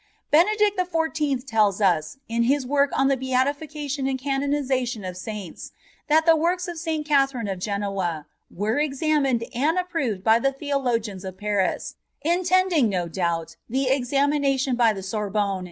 Benedict XIV. tells us, in his work on the Beatification and Canonisation of Saints, that the Works of St. Catherine of Genoa were exa miued and approved by the theologians of Paris: intendingy no doubt, the examination by the PREFACE.